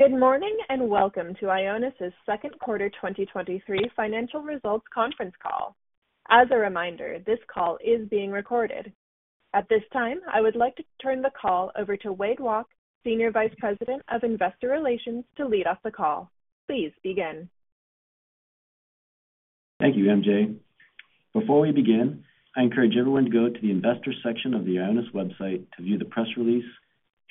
Good morning, welcome to Ionis's Second Quarter 2023 Financial Results Conference Call. As a reminder, this call is being recorded. At this time, I would like to turn the call over to Wade Walke, Senior Vice President of Investor Relations, to lead off the call. Please begin. Thank you, MJ. Before we begin, I encourage everyone to go to the investors section of the Ionis website to view the press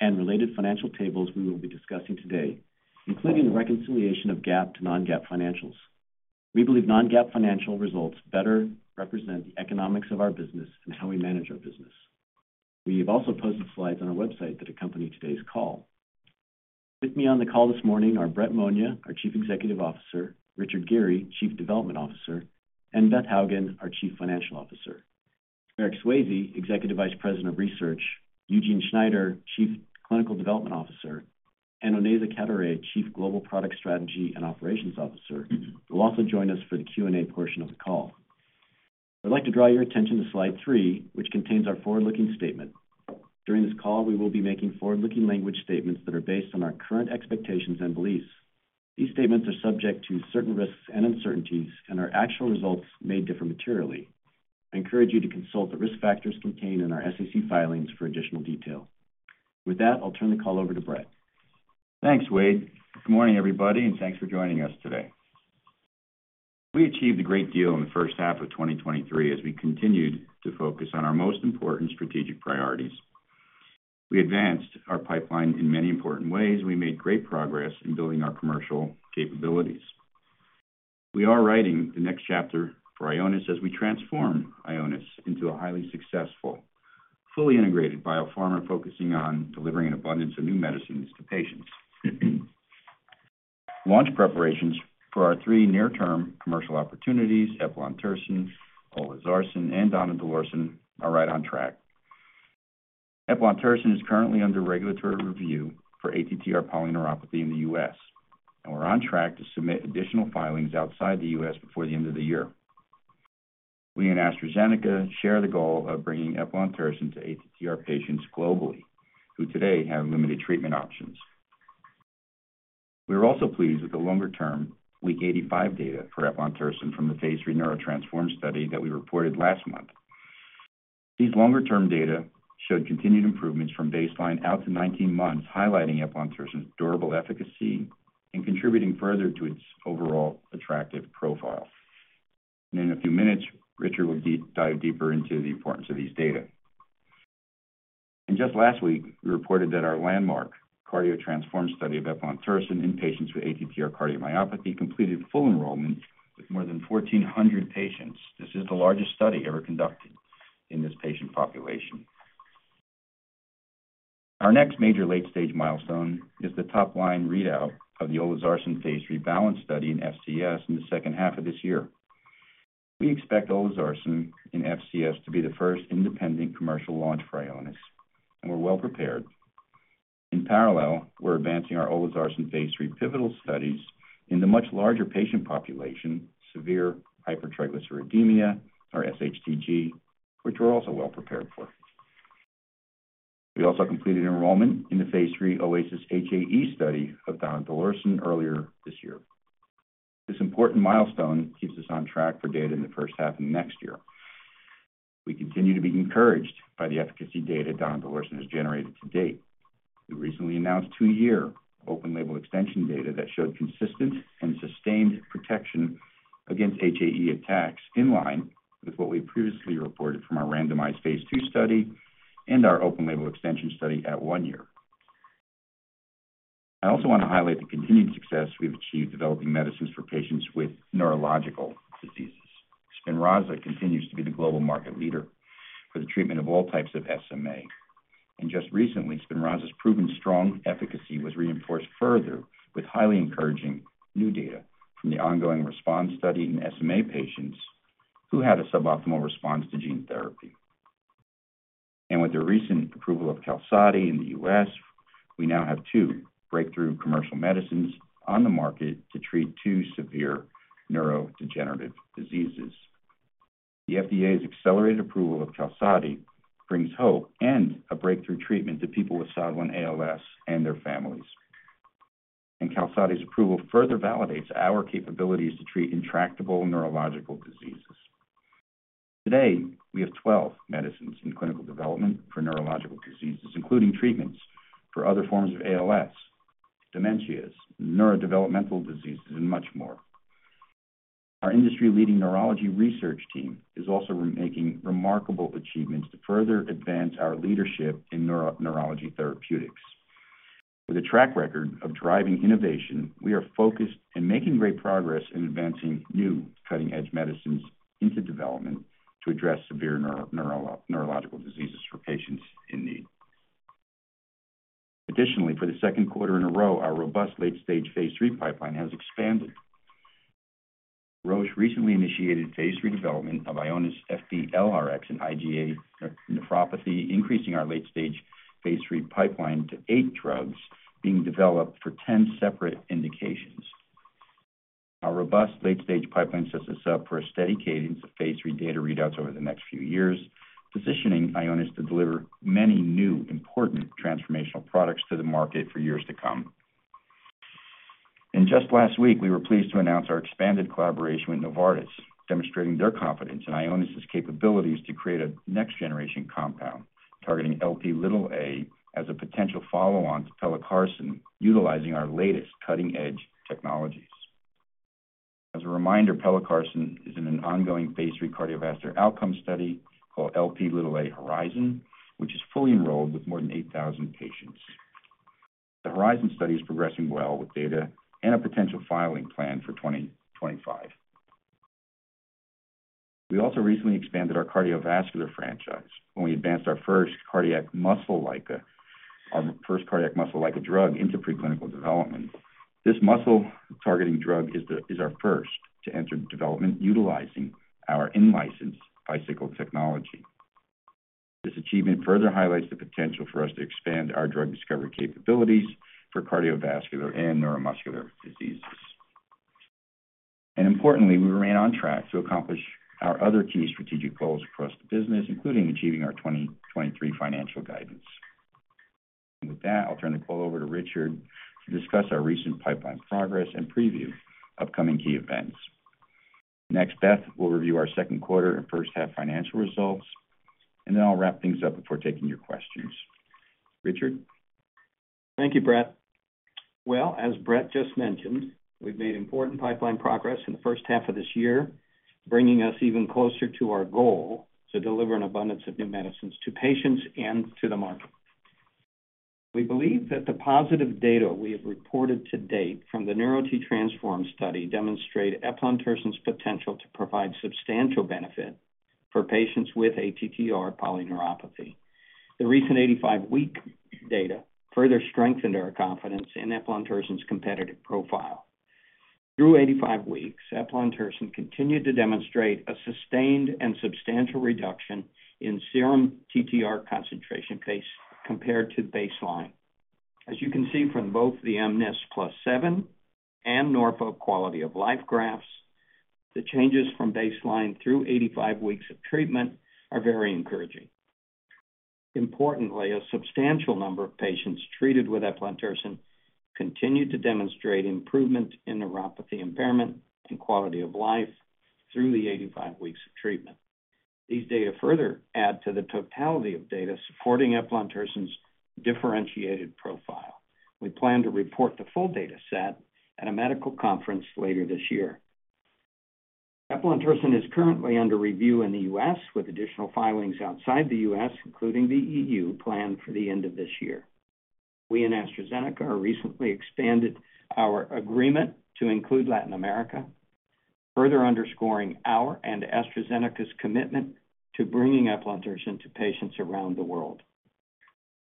release and related financial tables we will be discussing today, including the reconciliation of GAAP to non-GAAP financials. We believe non-GAAP financial results better represent the economics of our business and how we manage our business. We have also posted slides on our website that accompany today's call. With me on the call this morning are Brett Monia, our Chief Executive Officer, Richard Geary, Chief Development Officer, and Beth Hougen, our Chief Financial Officer. Eric Swayze, Executive Vice President of Research, Eugene Schneider, Chief Clinical Development Officer, and Onaiza Cadoret-Manier, Chief Global Product Strategy and Operations Officer, will also join us for the Q&A portion of the call. I'd like to draw your attention to slide three, which contains our forward-looking statement. During this call, we will be making forward-looking language statements that are based on our current expectations and beliefs. These statements are subject to certain risks and uncertainties, and our actual results may differ materially. I encourage you to consult the risk factors contained in our SEC filings for additional detail. With that, I'll turn the call over to Brett. Thanks, Wade. Good morning, everybody, and thanks for joining us today. We achieved a great deal in the first half of 2023 as we continued to focus on our most important strategic priorities. We advanced our pipeline in many important ways. We made great progress in building our commercial capabilities. We are writing the next chapter for Ionis as we transform Ionis into a highly successful, fully integrated biopharma, focusing on delivering an abundance of new medicines to patients. Launch preparations for our three near-term commercial opportunities, Eplontersen, Olezarsen, and Donidalorsen, are right on track. Eplontersen is currently under regulatory review for ATTR polyneuropathy in the U.S., and we're on track to submit additional filings outside the U.S. before the end of the year. We and AstraZeneca share the goal of bringing eplontersen to ATTR patients globally, who today have limited treatment options. We are also pleased with the longer-term week 85 data for eplontersen from the phase III NEURO-TTRansform study that we reported last month. These longer-term data showed continued improvements from baseline out to 19 months, highlighting eplontersen's durable efficacy and contributing further to its overall attractive profile. In a few minutes, Richard will dive deeper into the importance of these data. Just last week, we reported that our landmark CARDIO-TTRansform study of eplontersen in patients with ATTR cardiomyopathy completed full enrollment with more than 1,400 patients. This is the largest study ever conducted in this patient population. Our next major late-stage milestone is the top-line readout of the olezarsen phase III Balance study in FCS in the second half of this year. We expect olezarsen in FCS to be the first independent commercial launch for Ionis, we're well-prepared. In parallel, we're advancing our olezarsen phase III pivotal studies in the much larger patient population, severe hypertriglyceridemia, or sHTG, which we're also well-prepared for. We also completed enrollment in the phase III OASIS-HAE study of donidalorsen earlier this year. This important milestone keeps us on track for data in the first half of next year. We continue to be encouraged by the efficacy data donidalorsen has generated to date. We recently announced two-year open label extension data that showed consistent and sustained protection against HAE attacks, in line with what we previously reported from our randomized phase II study and our open label extension study at one year. I also want to highlight the continued success we've achieved developing medicines for patients with neurological diseases. Spinraza continues to be the global market leader for the treatment of all types of SMA. Just recently, Spinraza's proven strong efficacy was reinforced further with highly encouraging new data from the ongoing RESPOND study in SMA patients who had a suboptimal response to gene therapy. With the recent approval of QALSODY in the U.S., we now have two breakthrough commercial medicines on the market to treat two severe neurodegenerative diseases. The FDA's accelerated approval of QALSODY brings hope and a breakthrough treatment to people with SOD1-ALS and their families. QALSODY's approval further validates our capabilities to treat intractable neurological diseases. Today, we have 12 medicines in clinical development for neurological diseases, including treatments for other forms of ALS, dementias, neurodevelopmental diseases, and much more. Our industry-leading neurology research team is also making remarkable achievements to further advance our leadership in neuro, neurology therapeutics. With a track record of driving innovation, we are focused and making great progress in advancing new cutting-edge medicines into development to address severe neurological diseases for patients in need. Additionally, for the second quarter in a row, our robust late-stage phase III pipeline has expanded. Roche recently initiated phase III development of IONIS-FB-LRx in IgA nephropathy, increasing our late-stage phase III pipeline to eight drugs being developed for 10 separate indications.... Our robust late-stage pipeline sets us up for a steady cadence of phase III data readouts over the next few years, positioning Ionis to deliver many new, important transformational products to the market for years to come. Just last week, we were pleased to announce our expanded collaboration with Novartis, demonstrating their confidence in Ionis' capabilities to create a next-generation compound targeting Lp as a potential follow-on to Pelacarsen, utilizing our latest cutting-edge technologies. As a reminder, Pelacarsen is in an ongoing phase III cardiovascular outcome study called Lp HORIZON, which is fully enrolled with more than 8,000 patients. The HORIZON study is progressing well, with data and a potential filing plan for 2025. We also recently expanded our cardiovascular franchise when we advanced our first cardiac muscle drug into preclinical development. This muscle-targeting drug is our first to enter development utilizing our in-licensed bicycle technology. This achievement further highlights the potential for us to expand our drug discovery capabilities for cardiovascular and neuromuscular diseases. Importantly, we remain on track to accomplish our other key strategic goals across the business, including achieving our 2023 financial guidance. With that, I'll turn the call over to Richard to discuss our recent pipeline progress and preview upcoming key events. Next, Beth will review our second quarter and first half financial results, and then I'll wrap things up before taking your questions. Richard? Thank you, Brett. Well, as Brett just mentioned, we've made important pipeline progress in the first half of this year, bringing us even closer to our goal to deliver an abundance of new medicines to patients and to the market. We believe that the positive data we have reported to date from the NEURO-TTRansform study demonstrate eplontersen's potential to provide substantial benefit for patients with ATTR polyneuropathy. The recent 85-week data further strengthened our confidence in eplontersen's competitive profile. Through 85 weeks, eplontersen continued to demonstrate a sustained and substantial reduction in serum TTR concentration case compared to baseline. As you can see from both the mNIS+7 and NORFO quality of life graphs, the changes from baseline through 85 weeks of treatment are very encouraging. Importantly, a substantial number of patients treated with eplontersen continued to demonstrate improvement in neuropathy impairment and quality of life through the 85 weeks of treatment. These data further add to the totality of data supporting eplontersen's differentiated profile. We plan to report the full dataset at a medical conference later this year. Eplontersen is currently under review in the U.S., with additional filings outside the U.S., including the EU, planned for the end of this year. We and AstraZeneca recently expanded our agreement to include Latin America, further underscoring our and AstraZeneca's commitment to bringing eplontersen to patients around the world.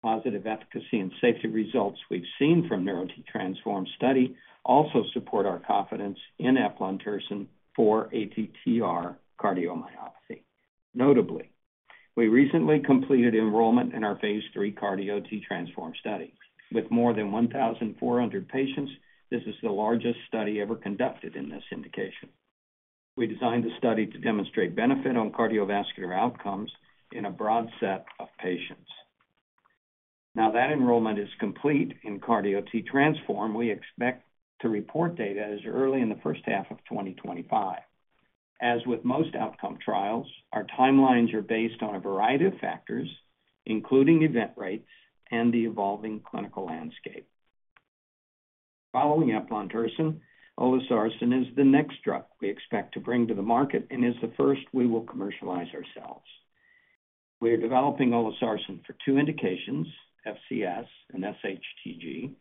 Positive efficacy and safety results we've seen from NEURO-TTRansform study also support our confidence in eplontersen for ATTR cardiomyopathy. Notably, we recently completed enrollment in our phase III CARDIO-TTRansform study. With more than 1,400 patients, this is the largest study ever conducted in this indication. We designed the study to demonstrate benefit on cardiovascular outcomes in a broad set of patients. Now that enrollment is complete in CARDIO-TTRansform, we expect to report data as early in the first half of 2025. As with most outcome trials, our timelines are based on a variety of factors, including event rates and the evolving clinical landscape. Following eplontersen, olezarsen is the next drug we expect to bring to the market and is the first we will commercialize ourselves. We are developing olezarsen for two indications, FCS and sHTG.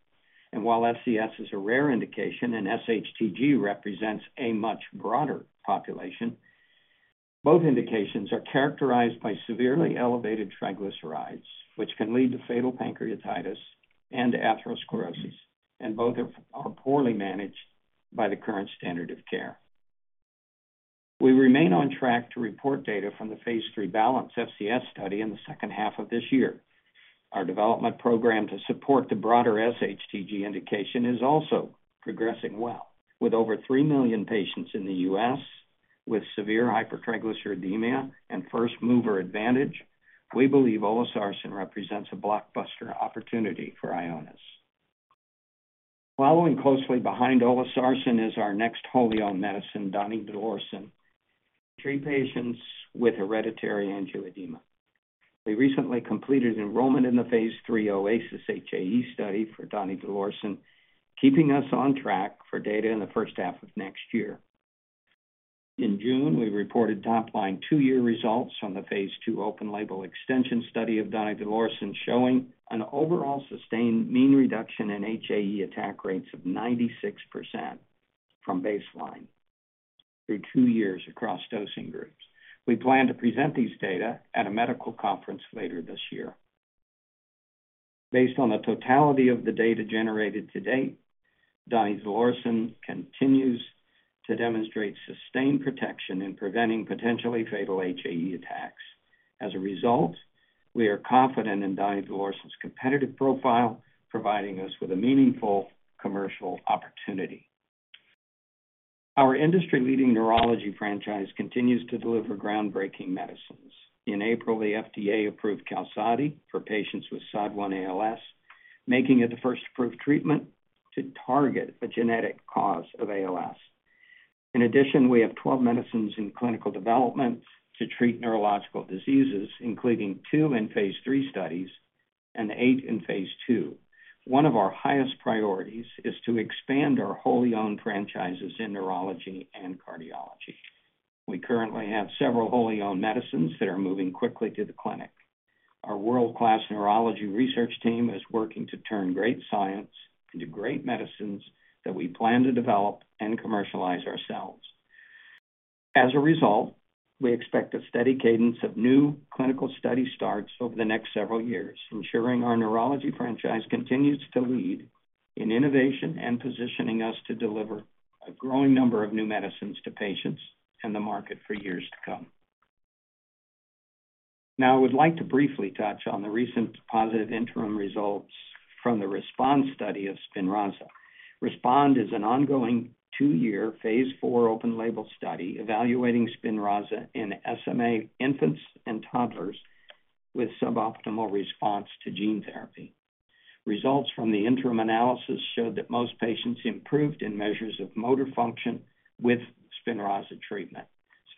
While FCS is a rare indication and sHTG represents a much broader population, both indications are characterized by severely elevated triglycerides, which can lead to fatal pancreatitis and atherosclerosis, and both are poorly managed by the current standard of care. We remain on track to report data from the phase III Balance FCS study in the second half of this year. Our development program to support the broader sHTG indication is also progressing well. With over 3 million patients in the U.S. with severe hypertriglyceridemia and first mover advantage, we believe olezarsen represents a blockbuster opportunity for Ionis. Following closely behind olezarsen is our next whole-owned medicine, donidalorsen, to treat patients with hereditary angioedema. We recently completed enrollment in the phase III OASIS-HAE study for donidalorsen, keeping us on track for data in the first half of next year. In June, we reported top-line two-year results from the phase II open label extension study of donidalorsen, showing an overall sustained mean reduction in HAE attack rates of 96% from baseline through two years across dosing groups. We plan to present these data at a medical conference later this year. Based on the totality of the data generated to date, donidalorsen continues to demonstrate sustained protection in preventing potentially fatal HAE attacks. As a result, we are confident in donidalorsen's competitive profile, providing us with a meaningful commercial opportunity. Our industry-leading neurology franchise continues to deliver groundbreaking medicines. In April, the FDA approved QALSODY for patients with SOD1-ALS, making it the first approved treatment to target the genetic cause of ALS. In addition, we have 12 medicines in clinical development to treat neurological diseases, including two in phase III studies and eight in phase II. One of our highest priorities is to expand our wholly-owned franchises in neurology and cardiology. We currently have several wholly-owned medicines that are moving quickly to the clinic. Our world-class neurology research team is working to turn great science into great medicines that we plan to develop and commercialize ourselves. As a result, we expect a steady cadence of new clinical study starts over the next several years, ensuring our neurology franchise continues to lead in innovation and positioning us to deliver a growing number of new medicines to patients and the market for years to come. Now, I would like to briefly touch on the recent positive interim results from the RESPOND study of Spinraza. RESPOND is an ongoing two-year phase IV open label study evaluating Spinraza in SMA infants and toddlers with suboptimal response to gene therapy. Results from the interim analysis showed that most patients improved in measures of motor function with Spinraza treatment.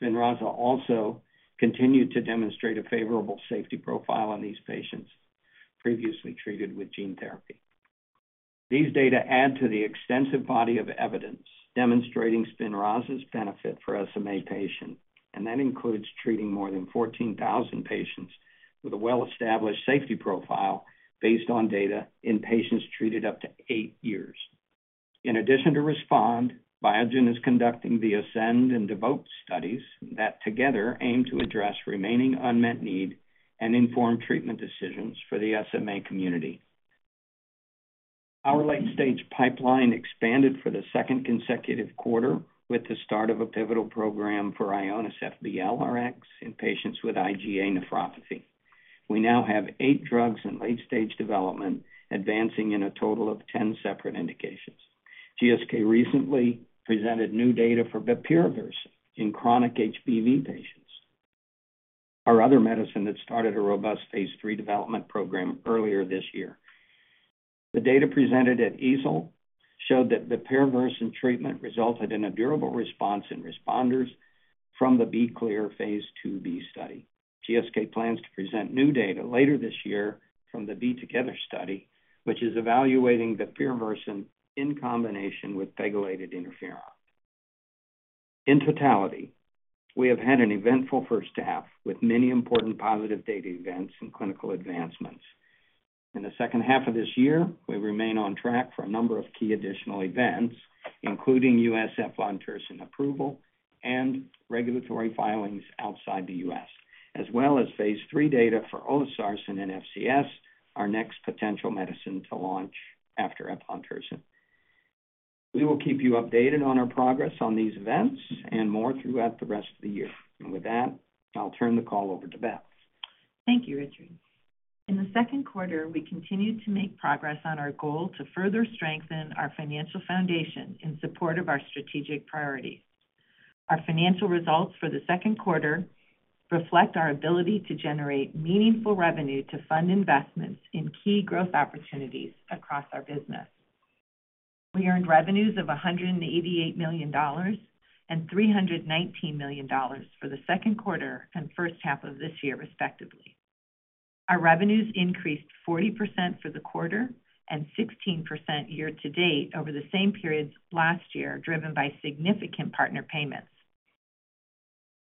Spinraza also continued to demonstrate a favorable safety profile on these patients previously treated with gene therapy. These data add to the extensive body of evidence demonstrating Spinraza's benefit for SMA patients, and that includes treating more than 14,000 patients with a well-established safety profile based on data in patients treated up to eight years. In addition to RESPOND, Biogen is conducting the ASCEND and DEVOTE studies that together aim to address remaining unmet need and inform treatment decisions for the SMA community. Our late-stage pipeline expanded for the second consecutive quarter with the start of a pivotal program for IONIS-FB-LRx in patients with IgA nephropathy. We now have eight drugs in late-stage development, advancing in a total of 10 separate indications. GSK recently presented new data for bepirovirsen in chronic HBV patients. Our other medicine that started a robust phase III development program earlier this year. The data presented at EASL showed that bepirovirsen treatment resulted in a durable response in responders from the B-Clear phase II-B study. GSK plans to present new data later this year from the B-Together study, which is evaluating bepirovirsen in combination with pegylated interferon. In totality, we have had an eventful first half with many important positive data events and clinical advancements. In the second half of this year, we remain on track for a number of key additional events, including U.S. eplontersen approval and regulatory filings outside the U.S., as well as phase III data for olezarsen and FCS, our next potential medicine to launch after eplontersen. We will keep you updated on our progress on these events and more throughout the rest of the year. With that, I'll turn the call over to Beth. Thank you, Richard. In the second quarter, we continued to make progress on our goal to further strengthen our financial foundation in support of our strategic priorities. Our financial results for the second quarter reflect our ability to generate meaningful revenue to fund investments in key growth opportunities across our business. We earned revenues of $188 million and $319 million for the second quarter and first half of this year, respectively. Our revenues increased 40% for the quarter and 16% year to date over the same periods last year, driven by significant partner payments.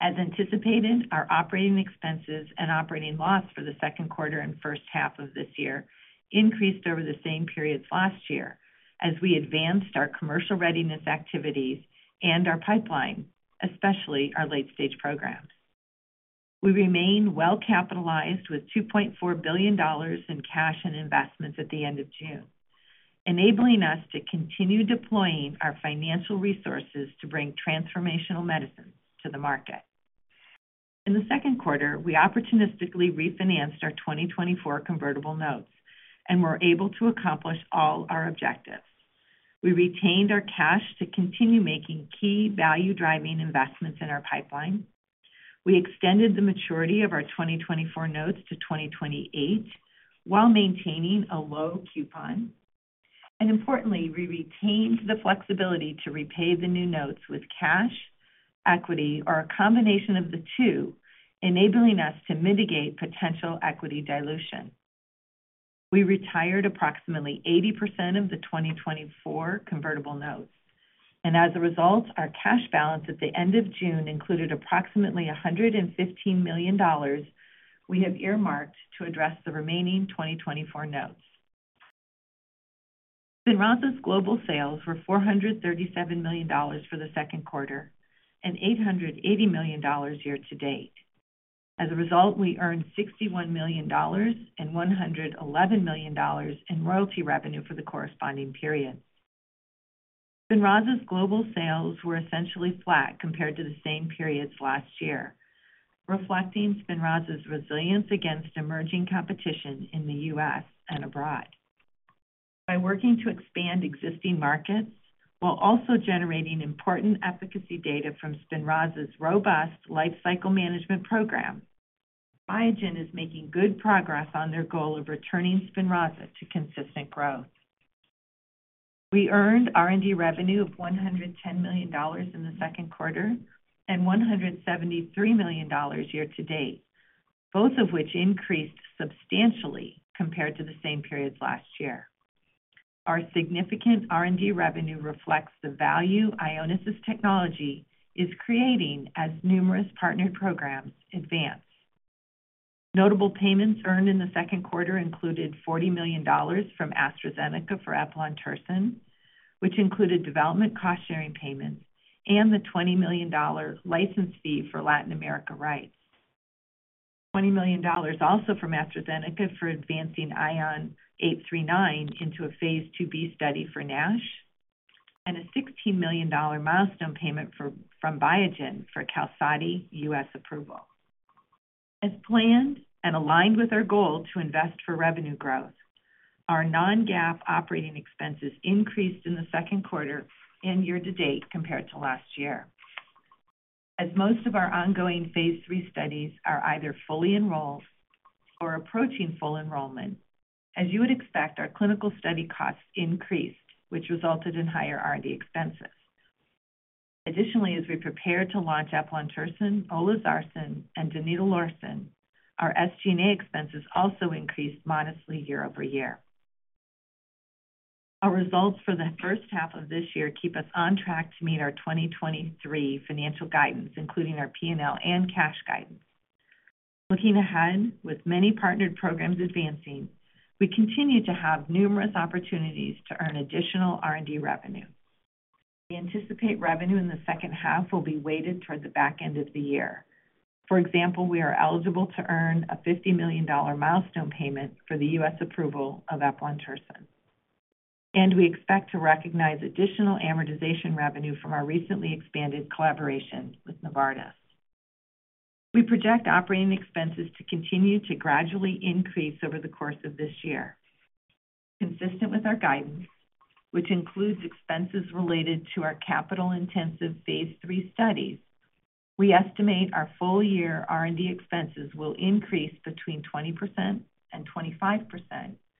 As anticipated, our operating expenses and operating loss for the second quarter and first half of this year increased over the same periods last year as we advanced our commercial readiness activities and our pipeline, especially our late-stage programs. We remain well capitalized with $2.4 billion in cash and investments at the end of June, enabling us to continue deploying our financial resources to bring transformational medicines to the market. In the second quarter, we opportunistically refinanced our 2024 convertible notes and were able to accomplish all our objectives. We retained our cash to continue making key value-driving investments in our pipeline. We extended the maturity of our 2024 notes to 2028, while maintaining a low coupon. Importantly, we retained the flexibility to repay the new notes with cash, equity, or a combination of the two, enabling us to mitigate potential equity dilution. We retired approximately 80% of the 2024 convertible notes, and as a result, our cash balance at the end of June included approximately $115 million we have earmarked to address the remaining 2024 notes. Spinraza's global sales were $437 million for the second quarter and $880 million year-to-date. We earned $61 million and $111 million in royalty revenue for the corresponding period. Spinraza's global sales were essentially flat compared to the same periods last year, reflecting Spinraza's resilience against emerging competition in the U.S. and abroad. By working to expand existing markets while also generating important efficacy data from Spinraza's robust lifecycle management program, Biogen is making good progress on their goal of returning Spinraza to consistent growth. We earned R&D revenue of $110 million in the second quarter, and $173 million year-to-date, both of which increased substantially compared to the same periods last year. Our significant R&D revenue reflects the value Ionis' technology is creating as numerous partnered programs advance. Notable payments earned in the second quarter included $40 million from AstraZeneca for eplontersen, which included development cost-sharing payments and the $20 million license fee for Latin America rights, $20 million also from AstraZeneca for advancing ION 839 into a phase II-B study for NASH, and a $16 million milestone payment from Biogen for QALSODY U.S. approval. As planned and aligned with our goal to invest for revenue growth, our non-GAAP operating expenses increased in the second quarter and year-to-date compared to last year. As most of our ongoing phase III studies are either fully enrolled or approaching full enrollment, as you would expect, our clinical study costs increased, which resulted in higher R&D expenses. Additionally, as we prepare to launch eplontersen, olezarsen, and donidalorsen, our SG&A expenses also increased modestly year-over-year. Our results for the first half of this year keep us on track to meet our 2023 financial guidance, including our P&L and cash guidance. Looking ahead, with many partnered programs advancing, we continue to have numerous opportunities to earn additional R&D revenue. We anticipate revenue in the second half will be weighted toward the back end of the year. For example, we are eligible to earn a $50 million milestone payment for the U.S. approval of eplontersen, and we expect to recognize additional amortization revenue from our recently expanded collaboration with Novartis. We project operating expenses to continue to gradually increase over the course of this year. Consistent with our guidance, which includes expenses related to our capital-intensive phase III studies, we estimate our full-year R&D expenses will increase between 20% and 25%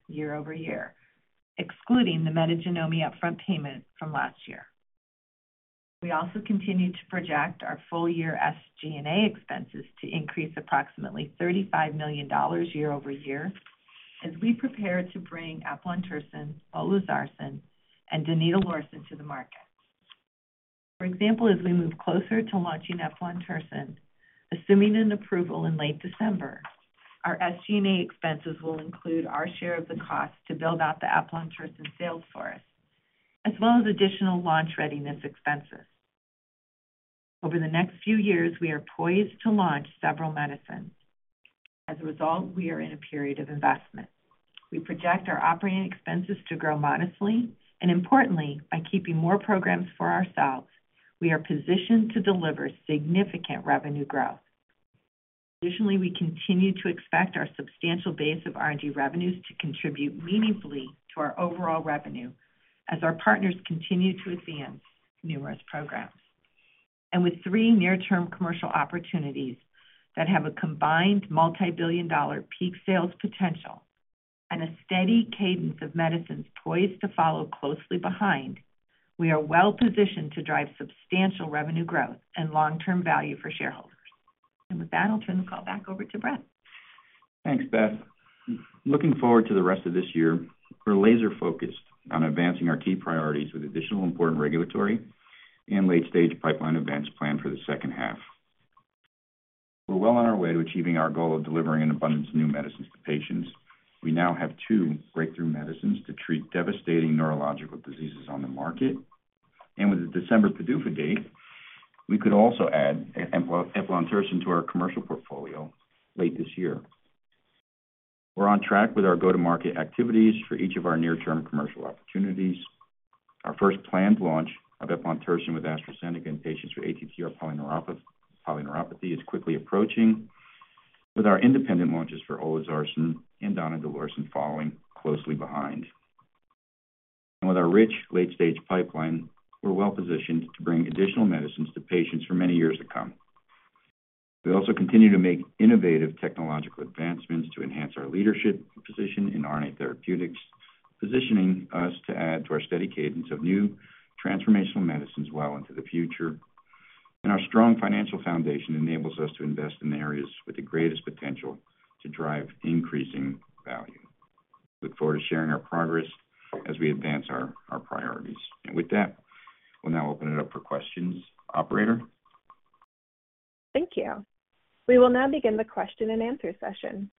year-over-year, excluding the Metagenomi upfront payment from last year. We also continue to project our full-year SG&A expenses to increase approximately $35 million year-over-year as we prepare to bring eplontersen, olezarsen, and donidalorsen to the market. For example, as we move closer to launching eplontersen, assuming an approval in late December, our SG&A expenses will include our share of the cost to build out the eplontersen sales force, as well as additional launch readiness expenses. Over the next few years, we are poised to launch several medicines. As a result, we are in a period of investment. We project our operating expenses to grow modestly, importantly, by keeping more programs for ourselves, we are positioned to deliver significant revenue growth. Additionally, we continue to expect our substantial base of R&D revenues to contribute meaningfully to our overall revenue as our partners continue to advance numerous programs. With 3 near-term commercial opportunities that have a combined $multibillion peak sales potential and a steady cadence of medicines poised to follow closely behind, we are well positioned to drive substantial revenue growth and long-term value for shareholders. With that, I'll turn the call back over to Brett. Thanks, Beth. Looking forward to the rest of this year, we're laser-focused on advancing our key priorities with additional important regulatory and late-stage pipeline events planned for the second half. We're well on our way to achieving our goal of delivering an abundance of new medicines to patients. We now have two breakthrough medicines to treat devastating neurological diseases on the market. With a December PDUFA date, we could also add eplontersen to our commercial portfolio late this year. We're on track with our go-to-market activities for each of our near-term commercial opportunities. Our first planned launch of eplontersen with AstraZeneca in patients with ATTR polyneuropathy is quickly approaching, with our independent launches for olezarsen and donidalorsen following closely behind. With our rich late-stage pipeline, we're well positioned to bring additional medicines to patients for many years to come. We also continue to make innovative technological advancements to enhance our leadership position in RNA therapeutics, positioning us to add to our steady cadence of new transformational medicines well into the future. Our strong financial foundation enables us to invest in the areas with the greatest potential to drive increasing value. Look forward to sharing our progress as we advance our priorities. With that, we'll now open it up for questions. Operator? Thank you. We will now begin the question-and-answer session.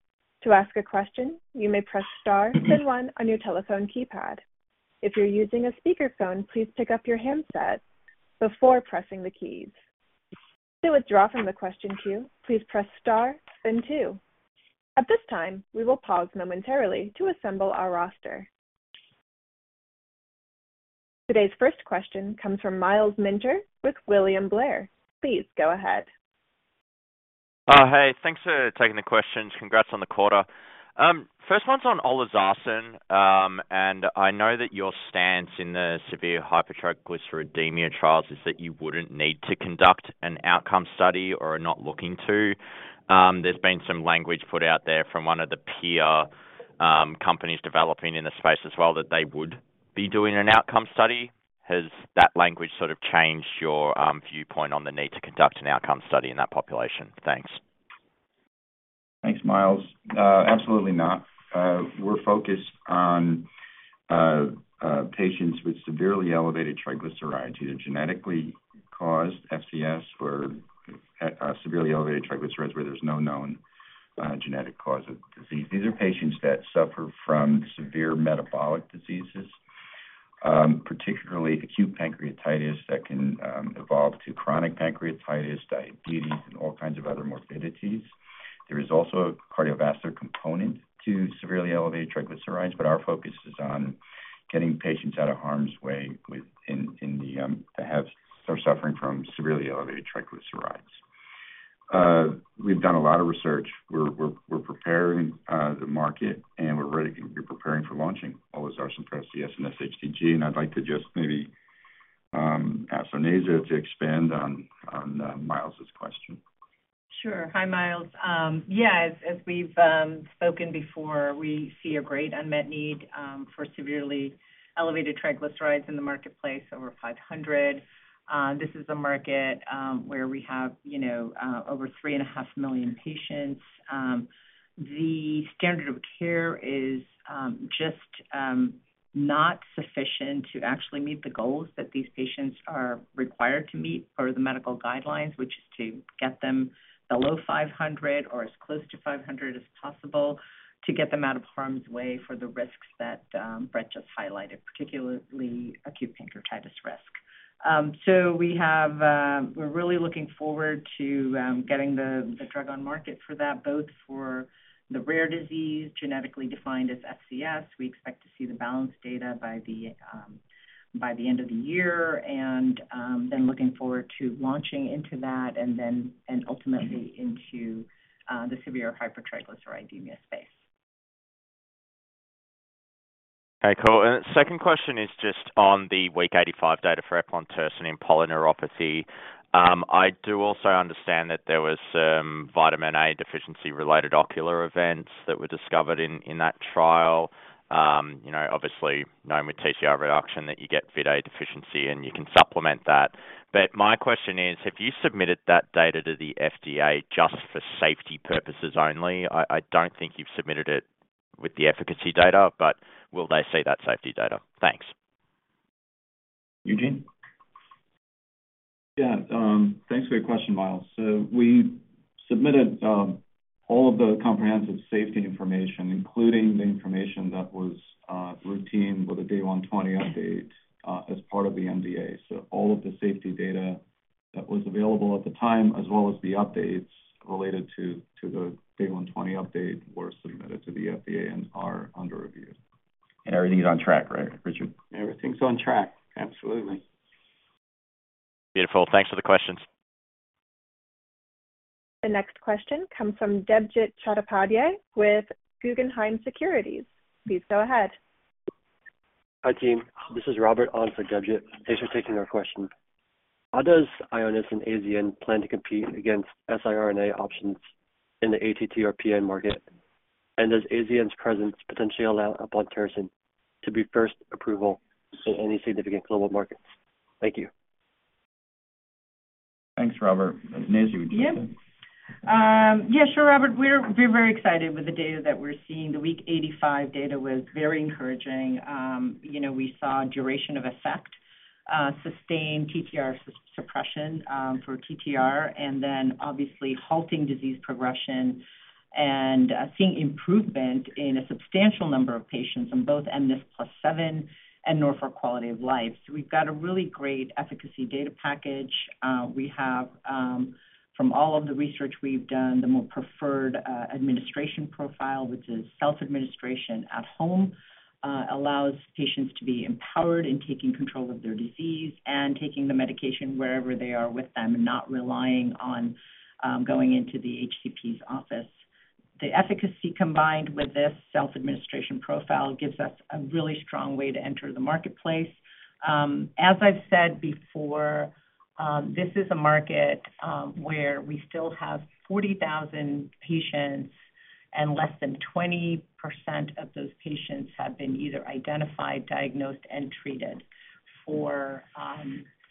To ask a question, you may press Star then 1 on your telephone keypad. If you're using a speakerphone, please pick up your handset before pressing the keys. To withdraw from the question queue, please press Star, then 2. At this time, we will pause momentarily to assemble our roster. Today's first question comes from Myles Minter with William Blair. Please go ahead. Hey, thanks for taking the questions. Congrats on the quarter. First one's on olezarsen. I know that your stance in the severe hypertriglyceridemia trials is that you wouldn't need to conduct an outcome study or are not looking to. There's been some language put out there from one of the peer companies developing in the space as well, that they would be doing an outcome study. Has that language sort of changed your viewpoint on the need to conduct an outcome study in that population? Thanks. Thanks, Myles. Absolutely not. We're focused on patients with severely elevated triglycerides. Either genetically caused FCS or severely elevated triglycerides where there's no known genetic cause of disease. These are patients that suffer from severe metabolic diseases, particularly acute pancreatitis, that can evolve to chronic pancreatitis, diabetes, and all kinds of other morbidities. There is also a cardiovascular component to severely elevated triglycerides, but our focus is on getting patients out of harm's way with, in, in the, that have are suffering from severely elevated triglycerides. We've done a lot of research. We're, we're, we're preparing the market, and we're ready. We're preparing for launching olezarsen press, FCS, and sHTG, and I'd like to just maybe ask for Onaiza to expand on, on Myles's question. Sure. Hi, Myles Minter. Yeah, as, as we've spoken before, we see a great unmet need for severely elevated triglycerides in the marketplace, over 500. This is a market where we have, you know, over 3.5 million patients. The standard of care is just not sufficient to actually meet the goals that these patients are required to meet per the medical guidelines, which is to get them below 500 or as close to 500 as possible, to get them out of harm's way for the risks that Brett Monia just highlighted, particularly acute pancreatitis risk. We have, we're really looking forward to getting the drug on market for that, both for the rare disease, genetically defined as FCS. We expect to see the Balance data by the end of the year and then looking forward to launching into that and then, and ultimately into the severe hypertriglyceridemia space. Okay, cool. Second question is just on the week 85 data for eplontersen in polyneuropathy. I do also understand that there was some vitamin A deficiency-related ocular events that were discovered in, in that trial. you know, obviously known with TTR reduction, that you get vit A deficiency, and you can supplement that. My question is, have you submitted that data to the FDA just for safety purposes only? I, I don't think you've submitted it with the efficacy data, but will they see that safety data? Thanks. Eugene? Yeah, thanks for your question, Myles. We submitted all of the comprehensive safety information, including the information that was routine with the Day 120 update, as part of the NDA. All of the safety data that was available at the time, as well as the updates related to the Day 120 update, were submitted to the FDA and are under review. Everything is on track, right, Richard? Everything's on track. Absolutely. Beautiful. Thanks for the questions. The next question comes from Debjit Chattopadhyay with Guggenheim Securities. Please go ahead. Hi, team. This is Robert on for Debjit. Thanks for taking our question. Does Ionis and AZN plan to compete against siRNA options in the ATTR-PN market? Does AZN's presence potentially allow eplontersen to be first approval in any significant global markets? Thank you. Thanks, Robert. Nazia, would you take that? Yep. Yeah, sure, Robert. We're very excited with the data that we're seeing. The week 85 data was very encouraging. You know, we saw duration of effect, sustained TTR suppression, for TTR, and then obviously halting disease progression and seeing improvement in a substantial number of patients on both mNIS+7 and NRF quality of life. We've got a really great efficacy data package. We have, from all of the research we've done, the more preferred administration profile, which is self-administration at home, allows patients to be empowered in taking control of their disease and taking the medication wherever they are with them, and not relying on going into the HCP's office. The efficacy, combined with this self-administration profile, gives us a really strong way to enter the marketplace. As I've said before, this is a market, where we still have 40,000 patients, and less than 20% of those patients have been either identified, diagnosed, and treated for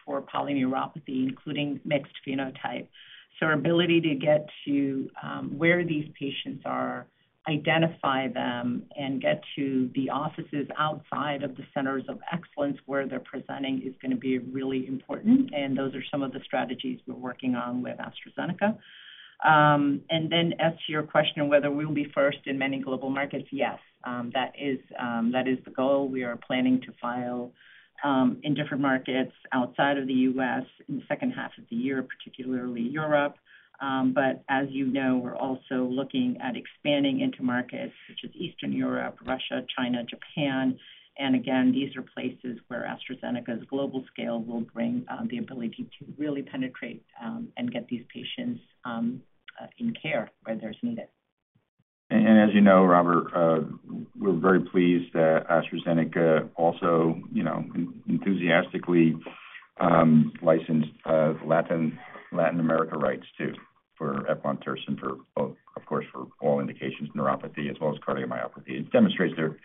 polyneuropathy, including mixed phenotype. Our ability to get to, where these patients are, identify them, and get to the offices outside of the centers of excellence where they're presenting, is gonna be really important, and those are some of the strategies we're working on with AstraZeneca. As to your question of whether we will be first in many global markets, yes, that is, that is the goal. We are planning to file in different markets outside of the US in the second half of the year, particularly Europe. As you know, we're also looking at expanding into markets such as Eastern Europe, Russia, China, Japan. Again, these are places where AstraZeneca's global scale will bring the ability to really penetrate and get these patients in care where there's needed. As you know, Robert, we're very pleased that AstraZeneca also, you know, enthusiastically licensed Latin, Latin America rights, too, for eplontersen for, of course, for all indications, neuropathy as well as cardiomyopathy. It demonstrates their,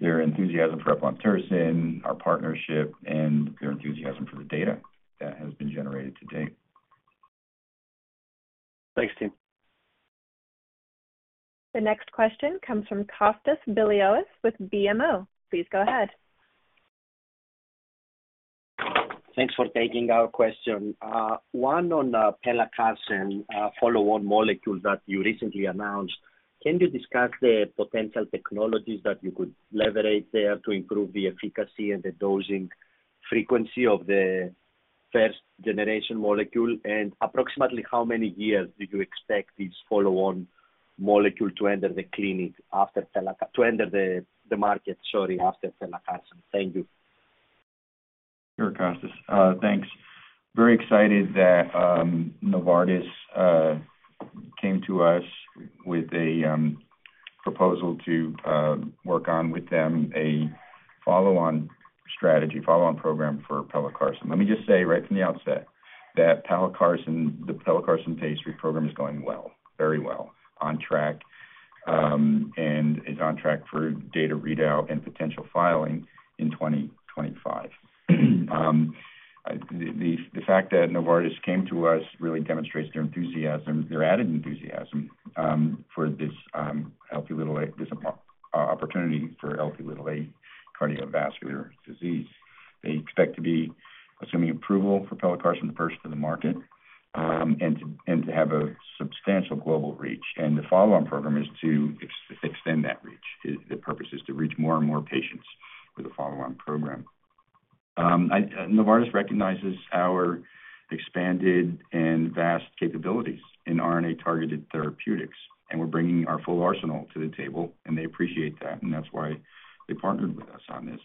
their enthusiasm for eplontersen, our partnership, and their enthusiasm for the data that has been generated to date. Thanks, team. The next question comes from Kostas Biliouris with BMO. Please go ahead. Thanks for taking our question. One on pelacarsen, follow-on molecule that you recently announced. Can you discuss the potential technologies that you could leverage there to improve the efficacy and the dosing frequency of the first generation molecule? Approximately how many years did you expect this follow-on molecule to enter the clinic after to enter the, the market, sorry, after pelacarsen? Thank you. Sure, Kostas. thanks. Very excited that Novartis came to us with a proposal to work on with them a follow-on strategy, follow-on program for pelacarsen. Let me just say right from the outset that pelacarsen, the pelacarsen phase III program is going well, very well, on track, and is on track for data readout and potential filing in 2025. The, the fact that Novartis came to us really demonstrates their enthusiasm, their added enthusiasm, for this Lp(a), this opportunity for Lp(a) cardiovascular disease. They expect to be assuming approval for pelacarsen, the first to the market, and to, and to have a substantial global reach. The follow-on program is to extend that reach. The, the purpose is to reach more and more patients with a follow-on program. I, Novartis recognizes our expanded and vast capabilities in RNA-targeted therapeutics. We're bringing our full arsenal to the table. They appreciate that, and that's why they partnered with us on this.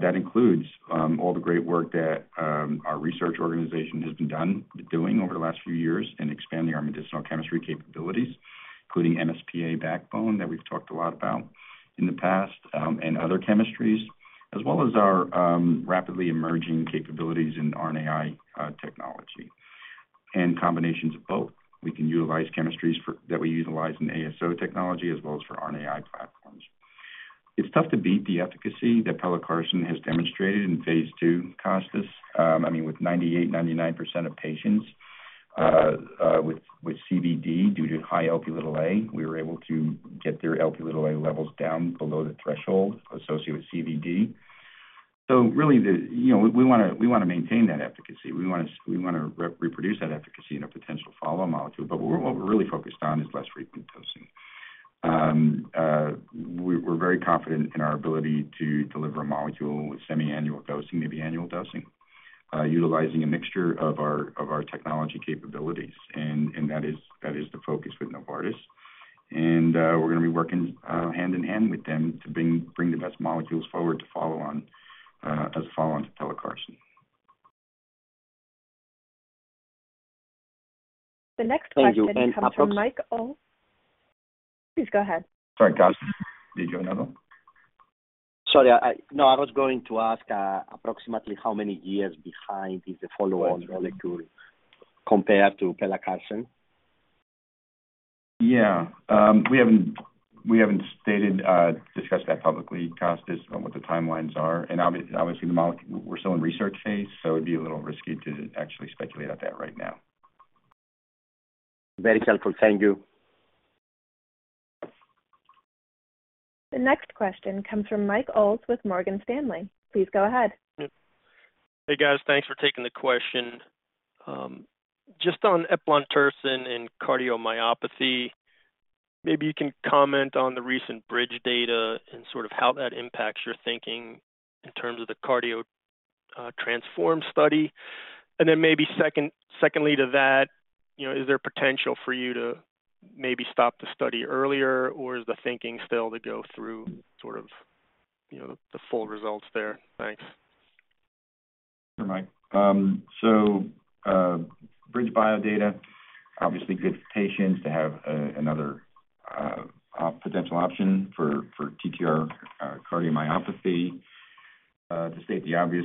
That includes all the great work that our research organization has been doing over the last few years in expanding our medicinal chemistry capabilities, including MsPA backbone that we've talked a lot about in the past, and other chemistries, as well as our rapidly emerging capabilities in RNAi technology and combinations of both. We can utilize chemistries that we utilize in ASO technology as well as for RNAi platforms. It's tough to beat the efficacy that pelacarsen has demonstrated in phase II, Kostas. I mean, with 98%, 99% of patients, with CVD due to high LpL, we were able to get their LpL levels down below the threshold associated with CVD. Really, you know, we wanna, we wanna maintain that efficacy. We wanna, we wanna reproduce that efficacy in a potential follow-on molecule, but what we're really focused on is less frequent dosing. We're very confident in our ability to deliver a molecule with semiannual dosing, maybe annual dosing, utilizing a mixture of our, of our technology capabilities, and that is, that is the focus with Novartis. We're gonna be working hand in hand with them to bring, bring the best molecules forward to follow on, as follow-on to pelacarsen. The next question comes from Michael Ulz. Please go ahead. Sorry, Kostas, did you have another one? Sorry, I... No, I was going to ask, approximately how many years behind is the follow-on molecule compared to pelacarsen? Yeah. We haven't, we haven't stated, discussed that publicly, Kostas, on what the timelines are. Obviously, the molecule, we're still in research phase, so it'd be a little risky to actually speculate on that right now. Very helpful. Thank you. The next question comes from Michael Ulz with Morgan Stanley. Please go ahead. Hey, guys. Thanks for taking the question. just on eplontersen and cardiomyopathy, maybe you can comment on the recent Bridge data and sort of how that impacts your thinking in terms of the Cardio Transform study. Then maybe second, secondly to that, you know, is there potential for you to maybe stop the study earlier, or is the thinking still to go through sort of, you know, the full results there? Thanks. Sure, Mike. BridgeBio data, obviously good for patients to have another potential option for TTR cardiomyopathy. To state the obvious,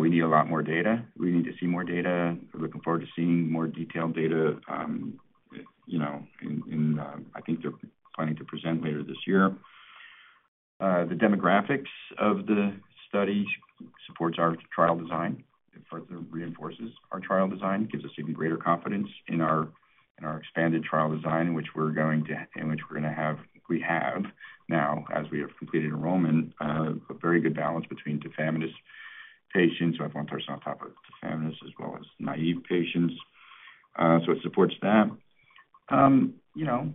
we need a lot more data. We need to see more data. We're looking forward to seeing more detailed data, you know, I think they're planning to present later this year. The demographics of the study supports our trial design. It further reinforces our trial design, gives us even greater confidence in our expanded trial design, in which we're going to have, we have now, as we have completed enrollment, a very good balance between tafamidis... patients who have one person on top of tafamidis as well as naive patients. It supports that. you know,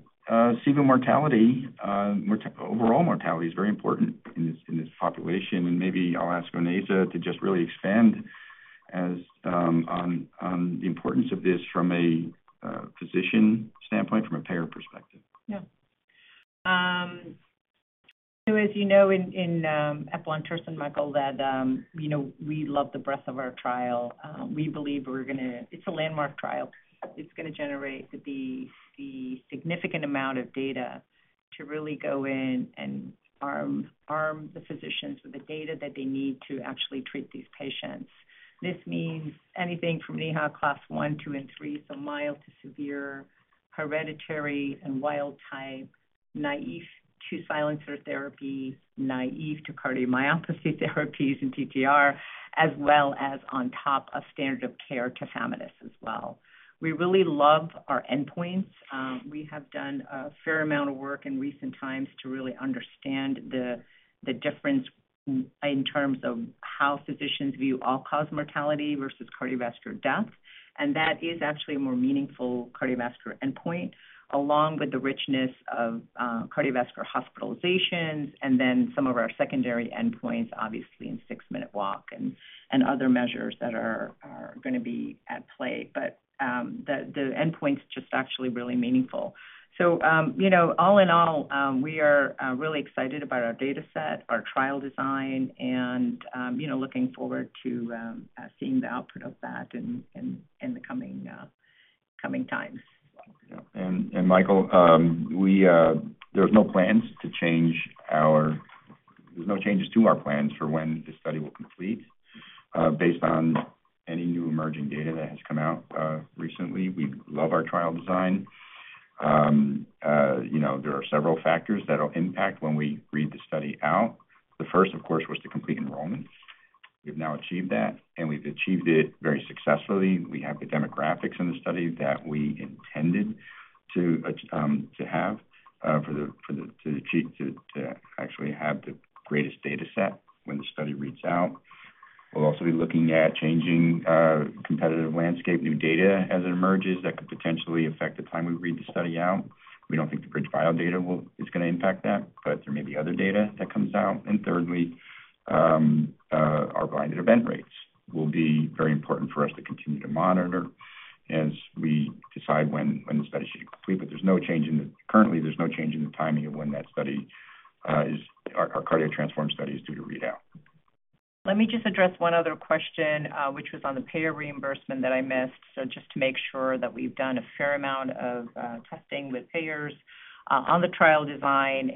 single mortality, mort- overall mortality is very important in this, in this population, and maybe I'll ask Onaiza to just really expand as on, on the importance of this from a physician standpoint, from a payer perspective. Yeah. As you know, in, in, eplontersen, Michael, that, you know, we love the breadth of our trial. We believe we're gonna it's a landmark trial. It's gonna generate the, the significant amount of data to really go in and arm, arm the physicians with the data that they need to actually treat these patients. This means anything from NYHA Class I through III, so mild to severe, hereditary and wild type, naive to silencer therapy, naive to cardiomyopathy therapies and TTR, as well as on top of standard of care tafamidis as well. We really love our endpoints. We have done a fair amount of work in recent times to really understand the, the difference in terms of how physicians view all-cause mortality versus cardiovascular death. That is actually a more meaningful cardiovascular endpoint, along with the richness of cardiovascular hospitalizations, and then some of our secondary endpoints, obviously, in six-minute walk and other measures that are gonna be at play. The endpoint's just actually really meaningful. You know, all in all, we are really excited about our data set, our trial design, and, you know, looking forward to seeing the output of that in the coming times. Yeah. Michael, there's no changes to our plans for when the study will complete, based on any new emerging data that has come out recently. We love our trial design. You know, there are several factors that will impact when we read the study out. The first, of course, was the complete enrollment. We've now achieved that, and we've achieved it very successfully. We have the demographics in the study that we intended to have to actually have the greatest data set when the study reads out. We'll also be looking at changing competitive landscape, new data as it emerges, that could potentially affect the time we read the study out. We don't think the BridgeBio data will, is gonna impact that, but there may be other data that comes out. thirdly, our blinded event rates will be very important for us to continue to monitor as we decide when, when the study should complete. There's no change currently, there's no change in the timing of when that study, our CardioTransform study is due to read out. Let me just address one other question, which was on the payer reimbursement that I missed. Just to make sure that we've done a fair amount of testing with payers on the trial design.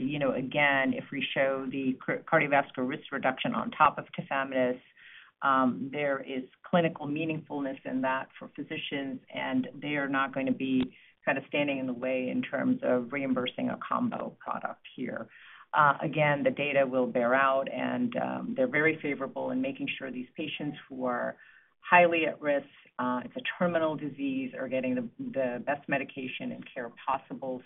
You know, again, if we show the cardiovascular risk reduction on top of tafamidis, there is clinical meaningfulness in that for physicians, and they are not going to be kind of standing in the way in terms of reimbursing a combo product here. Again, the data will bear out, and they're very favorable in making sure these patients who are highly at risk, it's a terminal disease, are getting the best medication and care possible.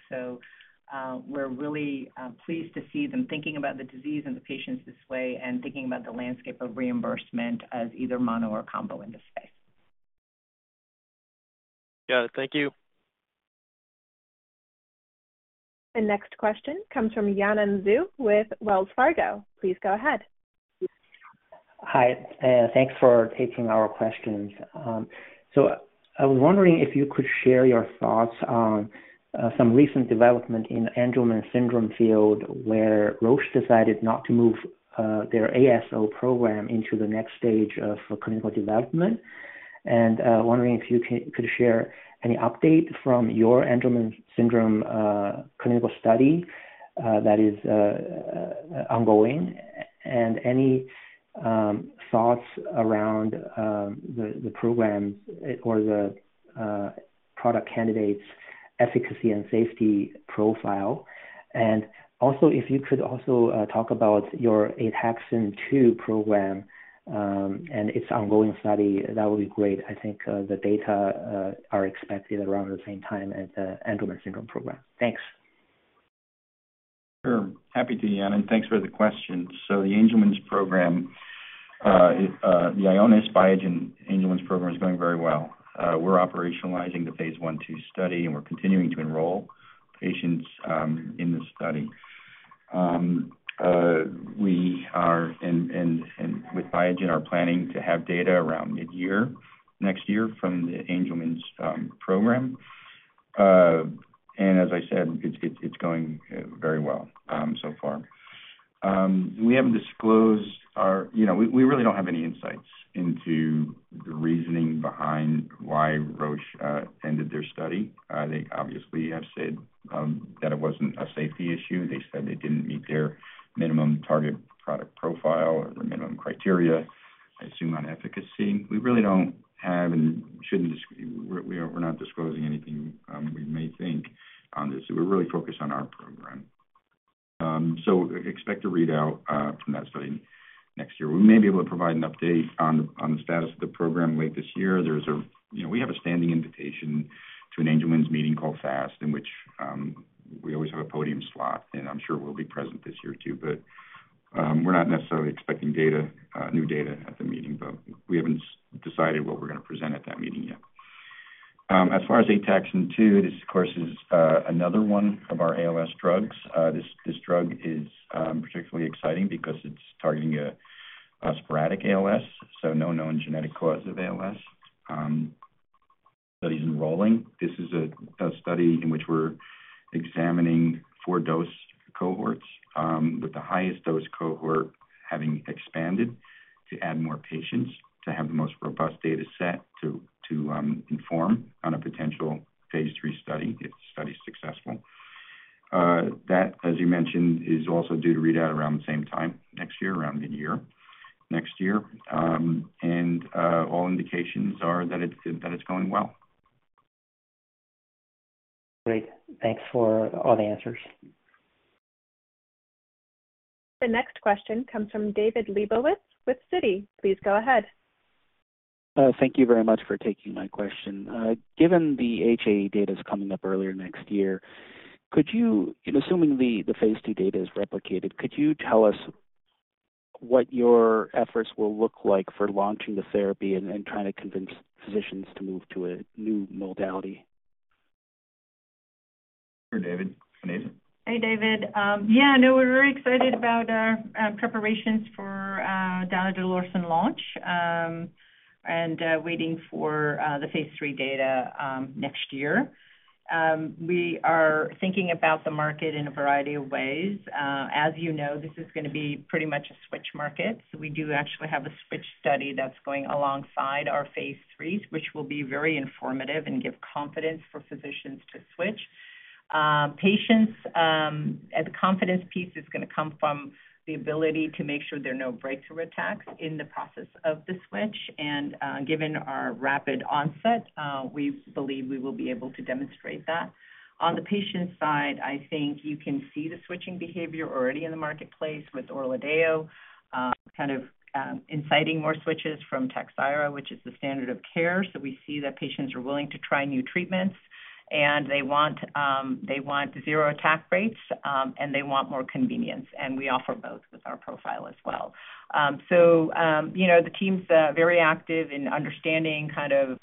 We're really pleased to see them thinking about the disease and the patients this way and thinking about the landscape of reimbursement as either mono or combo in this space. Yeah. Thank you. The next question comes from Yanan Zhu with Wells Fargo. Please go ahead. Hi, thanks for taking our questions. I was wondering if you could share your thoughts on some recent development in Angelman syndrome field, where Roche decided not to move their ASO program into the next stage for clinical development. Wondering if you could share any update from your Angelman syndrome clinical study that is ongoing, and any thoughts around the program or the product candidate's efficacy and safety profile. Also, if you could also talk about your Ataxin-2 program and its ongoing study, that would be great. I think the data are expected around the same time as the Angelman syndrome program. Thanks. Sure. Happy to, Yanan. Thanks for the question. The Angelman's program, the Ionis Biogen Angelman's program is going very well. We're operationalizing the phase I, II study, and we're continuing to enroll patients in the study. We are, with Biogen, are planning to have data around midyear next year from the Angelman's program. As I said, it's, it's, it's going very well so far. We haven't disclosed our... You know, we, we really don't have any insights into the reasoning behind why Roche ended their study. They obviously have said that it wasn't a safety issue. They said it didn't meet their minimum target product profile or minimum criteria, I assume, on efficacy. We really don't have and shouldn't dis-- we're, we are, we're not disclosing anything, we may think on this. We're really focused on our program. Expect to read out from that study next year. We may be able to provide an update on, on the status of the program late this year. There's a, you know, we have a standing invitation to an Angelman's meeting called FAST, in which we always have a podium slot, and I'm sure we'll be present this year, too. We're not necessarily expecting data, new data at the meeting, but we haven't decided what we're going to present at that meeting yet. As far as Ataxin-2, this, of course, is another one of our ALS drugs. This, this drug is particularly exciting because it's targeting a, a sporadic ALS, so no known genetic cause of ALS, study is enrolling. This is a, a study in which we're examining four dose cohorts, with the highest dose cohort having expanded to add more patients, to have the most robust data set to, to, inform on a potential phase III study, if the study is successful. That, as you mentioned, is also due to read out around the same time next year, around mid-year next year. All indications are that it's, that it's going well. Great. Thanks for all the answers. The next question comes from David Lebowitz with Citi. Please go ahead. Thank you very much for taking my question. Given the HAE data is coming up earlier next year, could you, and assuming the, the phase II data is replicated, could you tell us what your efforts will look like for launching the therapy and, and trying to convince physicians to move to a new modality? Sure, David. Onaiza? Hey, David. Yeah, no, we're very excited about our preparations for donidalorsen launch, and waiting for the phase III data next year. We are thinking about the market in a variety of ways. As you know, this is gonna be pretty much a switch market. We do actually have a switch study that's going alongside our phase IIIs, which will be very informative and give confidence for physicians to switch. Patients, the confidence piece is gonna come from the ability to make sure there are no breakthrough attacks in the process of the switch, and given our rapid onset, we believe we will be able to demonstrate that. On the patient side, I think you can see the switching behavior already in the marketplace with Orladeyo, kind of, inciting more switches from Takhzyro, which is the standard of care. We see that patients are willing to try new treatments, and they want, they want zero attack rates, and they want more convenience, and we offer both with our profile as well. You know, the team's very active in understanding kind of,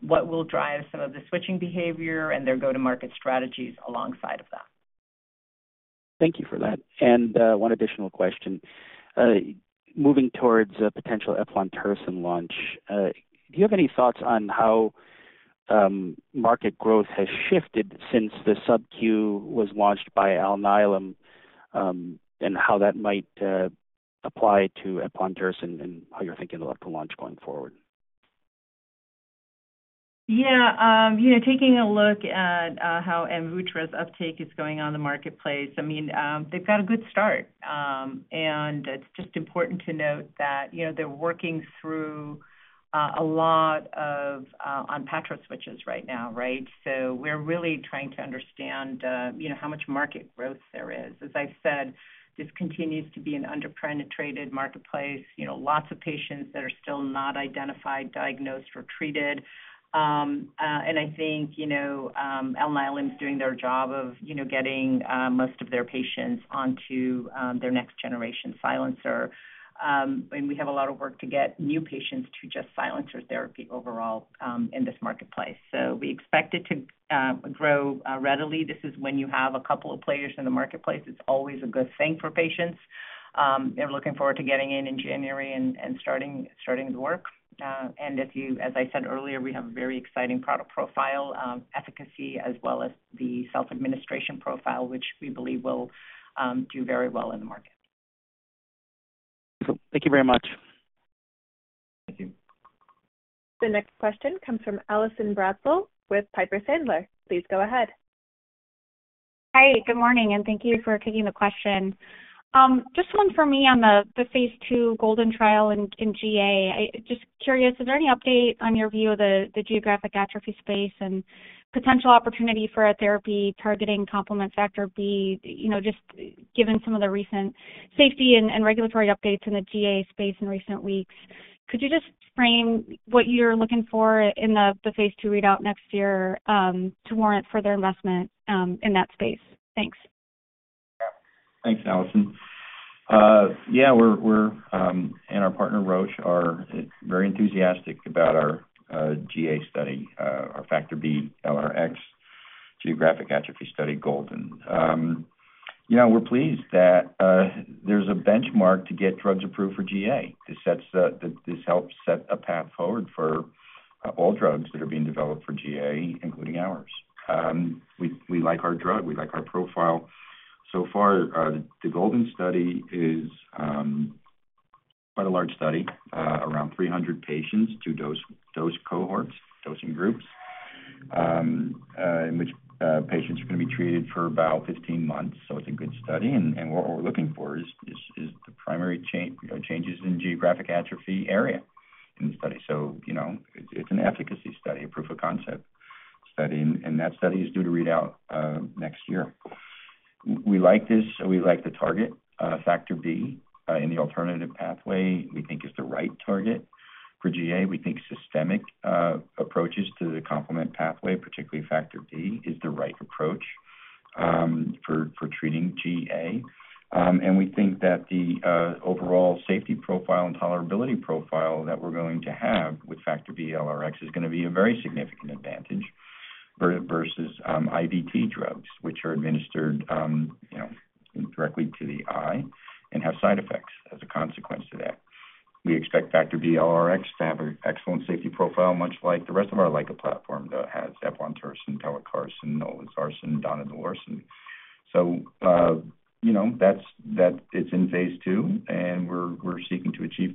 what will drive some of the switching behavior and their go-to-market strategies alongside of that. Thank you for that. One additional question. Moving towards a potential eplontersen launch, do you have any thoughts on how market growth has shifted since the subQ was launched by Alnylam, and how that might apply to eplontersen and how you're thinking about the launch going forward? Yeah, you know, taking a look at how Amvuttra uptake is going on in the marketplace, I mean, they've got a good start. It's just important to note that, you know, they're working through a lot of Onpattro switches right now, right? We're really trying to understand, you know, how much market growth there is. As I said, this continues to be an underpenetrated marketplace, you know, lots of patients that are still not identified, diagnosed, or treated. I think, you know, Alnylam is doing their job of, you know, getting most of their patients onto their next generation silencer. We have a lot of work to get new patients to just silencer therapy overall in this marketplace. We expect it to grow readily. This is when you have a couple of players in the marketplace. It's always a good thing for patients. They're looking forward to getting in in January and, and starting, starting the work. As I said earlier, we have a very exciting product profile, efficacy, as well as the self-administration profile, which we believe will, do very well in the market. Thank you very much. Thank you. The next question comes from Allison Bratzel with Piper Sandler. Please go ahead. Hi, good morning, and thank you for taking the question. Just one for me on the phase II GOLDEN trial in GA. Just curious, is there any update on your view of the geographic atrophy space and potential opportunity for a therapy targeting complement Factor B? You know, just given some of the recent safety and regulatory updates in the GA space in recent weeks, could you just frame what you're looking for in the phase II readout next year to warrant further investment in that space? Thanks. Thanks, Allison. Yeah, we're, we're, and our partner, Roche, are very enthusiastic about our GA study, our Facto B-LRx geographic atrophy study, GOLDEN. You know, we're pleased that there's a benchmark to get drugs approved for GA. This sets the, this helps set a path forward for all drugs that are being developed for GA, including ours. We, we like our drug, we like our profile. So far, the GOLDEN study is quite a large study, around 300 patients, two dose, dose cohorts, dosing groups, in which patients are gonna be treated for about 15 months. It's a good study, and, and what we're looking for is, is, is the primary change, you know, changes in geographic atrophy area in the study. You know, it's, it's an efficacy study, a proof of concept study, and, and that study is due to read out next year. We like this, we like the target. Factor B in the alternative pathway, we think is the right target for GA. We think systemic approaches to the complement pathway, particularly Factor B, is the right approach for treating GA. And we think that the overall safety profile and tolerability profile that we're going to have with Factor B-LRx is going to be a very significant advantage versus IVT drugs, which are administered, you know, directly to the eye and have side effects as a consequence to that. We expect Factor B-LRx to have an excellent safety profile, much like the rest of our LICA platform that has eplontersen, pelacarsen, olezarsen, donidalorsen. you know, that's, that it's in phase II, and we're, we're seeking to achieve,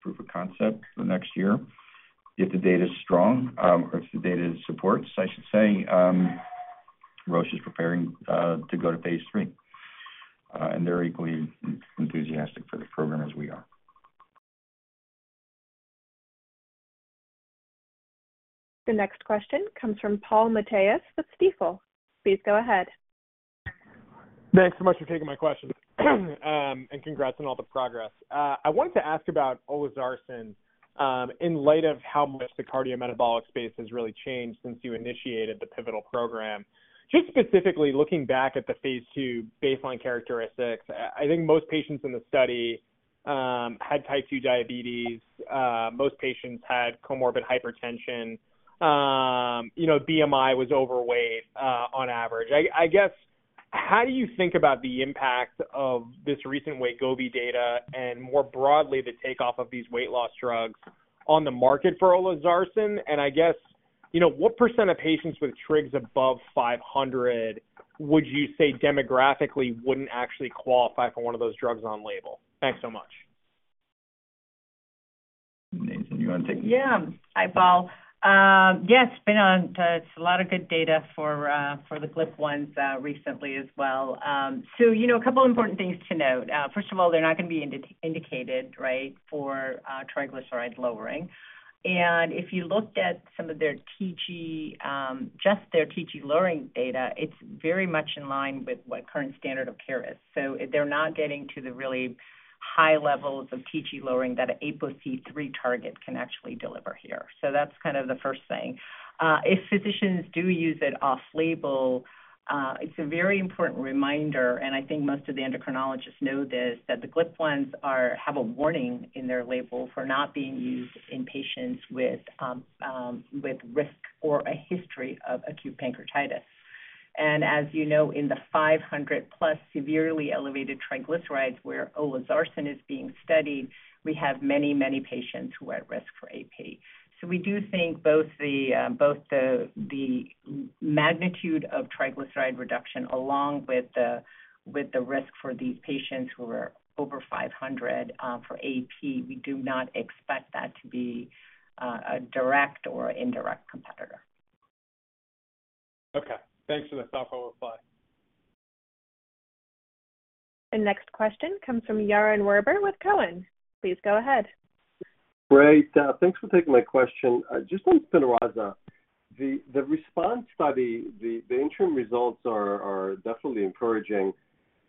proof of concept for the next year. If the data is strong, or if the data supports, I should say, Roche is preparing, to go to phase III, and they're equally enthusiastic for the program as we are. The next question comes from Paul Matteis with Stifel. Please go ahead. Thanks so much for taking my question, and congrats on all the progress. I wanted to ask about olezarsen, in light of how much the cardiometabolic space has really changed since you initiated the pivotal program. Just specifically looking back at the phase II baseline characteristics, I think most patients in the study had type 2 diabetes, most patients had comorbid hypertension, you know, BMI was overweight, on average. I guess, how do you think about the impact of this recent Wegovy data and, more broadly, the takeoff of these weight loss drugs on the market for olezarsen? I guess, you know, what % of patients with trigs above 500 would you say demographically wouldn't actually qualify for one of those drugs on label? Thanks so much. Nathan, you want to take this? Yeah. Hi, Paul. Yes, been on, it's a lot of good data for the GLP-1s recently as well. You know, a couple of important things to note. First of all, they're not going to be indicated, right, for triglyceride lowering. If you looked at some of their TG, just their TG lowering data, it's very much in line with what current standard of care is. They're not getting to the really high levels of TG lowering that APOCIII target can actually deliver here. That's kind of the first thing. If physicians do use it off-label, it's a very important reminder, and I think most of the endocrinologists know this, that the GLP-1s are, have a warning in their label for not being used in patients with risk or a history of acute pancreatitis. As you know, in the 500 plus severely elevated triglycerides where olezarsen is being studied, we have many, many patients who are at risk for AP. We do think both the both the the magnitude of triglyceride reduction along with the with the risk for these patients who are over 500 for AP, we do not expect that to be a direct or indirect competitor. Okay. Thanks for the thoughtful reply. The next question comes from Yaron Werber with Cowen. Please go ahead. Great. Thanks for taking my question. Just on Spinraza, the, the response by the, the, the interim results are, are definitely encouraging.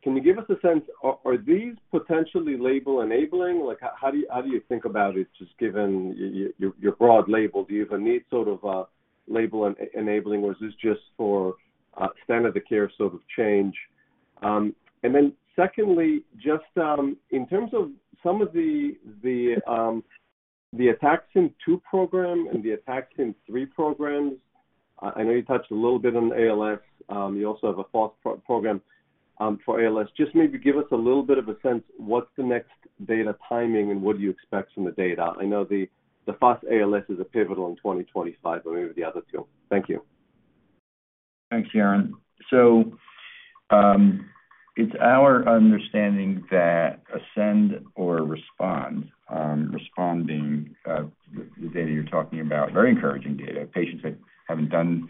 Can you give us a sense, are, are these potentially label-enabling? Like, how, how do you, how do you think about it, just given your, your, your broad label? Do you even need sort of a label enabling, or is this just for a standard of care sort of change? Secondly, just in terms of some of the, the Ataxin-2 program and the Ataxin-3 programs, I, I know you touched a little bit on ALS. You also have a FUS program for ALS. Just maybe give us a little bit of a sense, what's the next data timing and what do you expect from the data? I know the, the FUS ALS is a pivotal in 2025. Maybe the other two. Thank you. Thanks, Yaron. It's our understanding that ASCEND or RESPOND, RESPOND being the data you're talking about, very encouraging data. Patients that haven't done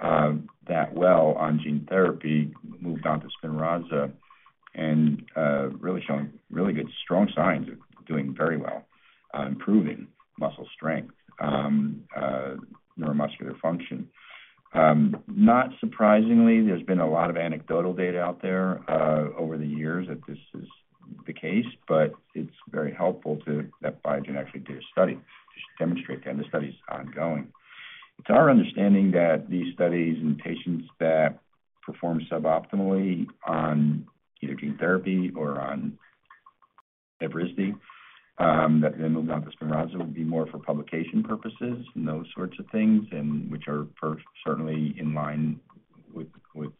that well on gene therapy moved on to Spinraza and really showing really good, strong signs of doing very well, improving muscle strength, neuromuscular function. Not surprisingly, there's been a lot of anecdotal data out there over the years that this is the case, but it's very helpful to, that Biogen actually did a study to demonstrate that, and the study is ongoing. It's our understanding that these studies in patients that perform suboptimally on either gene therapy or on Evrysdi, that then moved on to Spinraza, will be more for publication purposes and those sorts of things, and which are for certainly in line with, with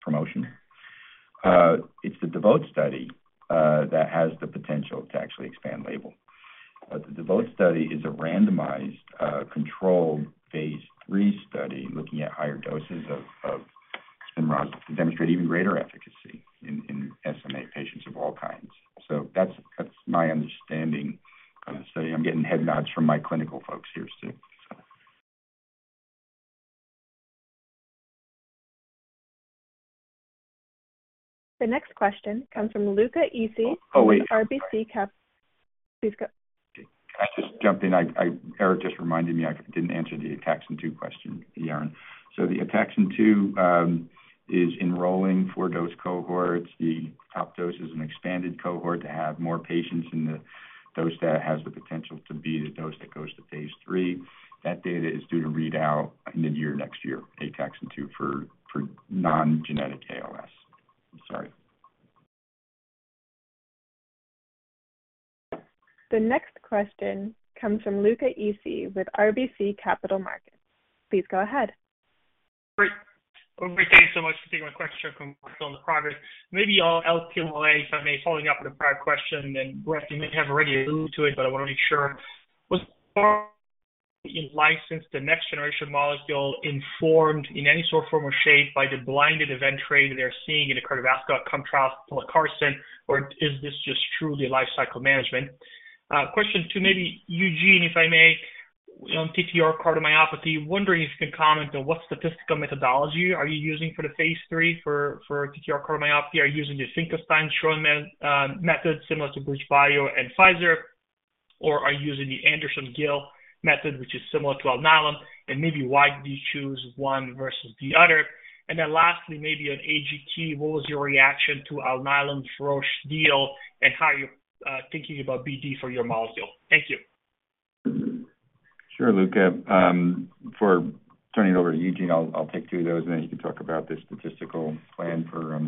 promotion. It's the DEVOTE study that has the potential to actually expand label. The DEVOTE study is a randomized, controlled phase III study looking at higher doses of Spinraza to demonstrate even greater efficacy in SMA patients of all kinds. That's, that's my understanding of the study. I'm getting head nods from my clinical folks here, too, so. The next question comes from Luca Issi. Oh, wait. RBC Cap-, please go. I just jumped in. Eric just reminded me I didn't answer the Ataxin-2 question, Yaron. The Ataxin-2 is enrolling for dose cohorts. The top dose is an expanded cohort to have more patients, and the dose that has the potential to be the dose that goes to phase III. That data is due to read out in the year, next year, Ataxin-2 for, for non-genetic ALS. I'm sorry. The next question comes from Luca Issi with RBC Capital Markets. Please go ahead. Great. Well, thank you so much for taking my question from on the progress. Maybe I'll Lp(a), if I may, following up with a prior question. Brett, you may have already alluded to it, but I want to make sure. Was far in license, the next generation molecule informed in any sort of form or shape by the blinded event rate they're seeing in the cardiovascular outcome trial, pelacarsen, or is this just truly lifecycle management? Question two, maybe Eugene, if I may, on TTR cardiomyopathy, wondering if you could comment on what statistical methodology are you using for the phase III for, for TTR cardiomyopathy. Are you using the [Finkelstein-Schoenfeld] method, similar to BridgeBio and Pfizer? Are you using the Anderson Gill method, which is similar to Alnylam, and maybe why do you choose one versus the other? Then lastly, maybe on AGT, what was your reaction to Alnylam-Roche deal, and how are you thinking about BD for your molecule? Thank you. Sure, Luca. Before turning it over to Eugene, I'll, I'll take two of those, and then you can talk about the statistical plan for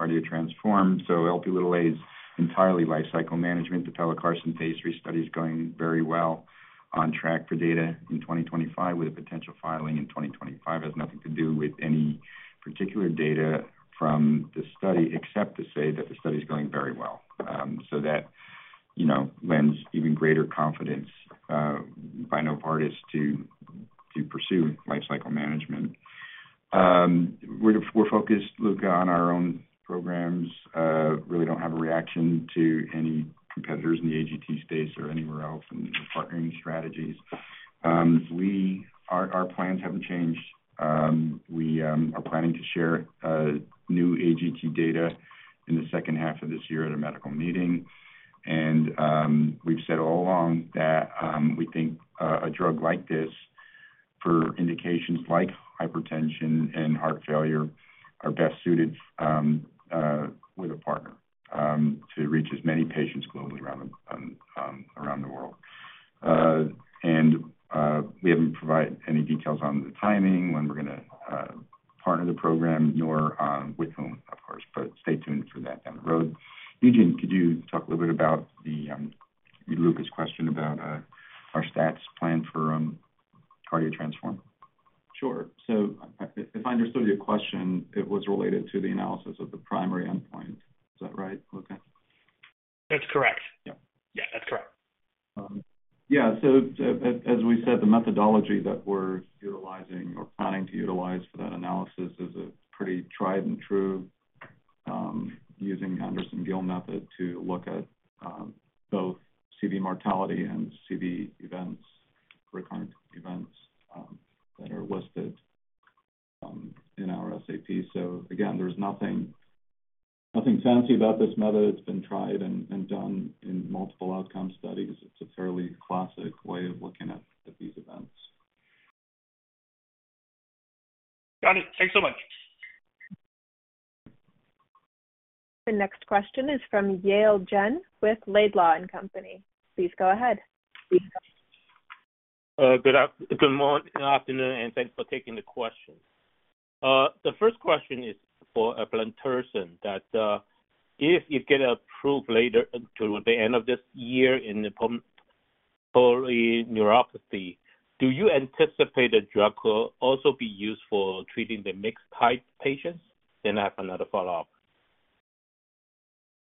CardioTransform. Lp(a) is entirely lifecycle management. The pelacarsen phase III study is going very well, on track for data in 2025, with a potential filing in 2025. It has nothing to do with any particular data from the study, except to say that the study is going very well. So that, you know, lends even greater confidence, by no part, is to, to pursue lifecycle management. We're, we're focused, Luca, on our own programs. Really don't have a reaction to any competitors in the AGT space or anywhere else in the partnering strategies. Our, our plans haven't changed. We are planning to share new AGT data in the second half of this year at a medical meeting. We've said all along that we think a drug like this for indications like hypertension and heart failure are best suited with a partner to reach as many patients globally around the world. We haven't provided any details on the timing, when we're going to partner the program, nor with whom, of course, but stay tuned for that down the road. Eugene, could you talk a little bit about the Luca's question about our stats plan for CardioTransform? Sure. If I understood your question, it was related to the analysis of the primary endpoint. Is that right, Luca? That's correct. Yep. Yeah, that's correct. Yeah, as, as we said, the methodology that we're utilizing or planning to utilize for that analysis is a pretty tried and true, using Anderson Gill method to look at, both CV mortality and CV events, recurrent events, that are listed, in our SAP. Again, there's nothing, nothing fancy about this method. It's been tried and, and done in multiple outcome studies. It's a fairly classic way of looking at, at these events. Got it. Thanks so much. The next question is from Yale Jen with Laidlaw and Company. Please go ahead. Good morning, afternoon, and thanks for taking the question. The first question is for eplontersen that, if you get approved later until the end of this year in the polyneuropathy, do you anticipate the drug will also be used for treating the mixed type patients? I have another follow-up.